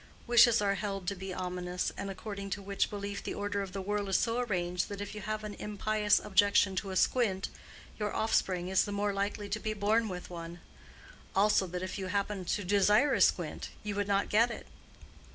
Wishes are held to be ominous; according to which belief the order of the world is so arranged that if you have an impious objection to a squint, your offspring is the more likely to be born with one; also, that if you happened to desire a squint you would not get it.